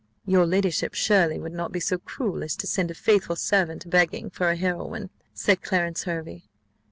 "Your ladyship, surely, would not be so cruel as to send a faithful servant a begging for a heroine?" said Clarence Hervey.